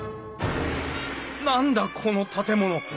何だこの建物。